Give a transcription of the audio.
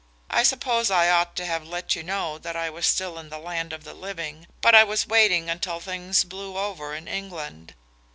I suppose I ought to have let you know that I was still in the land of the living, but I was waiting until things blew over in England.